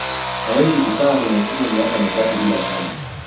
hawezi kukaaa kwenye timu miaka mitatu bila taji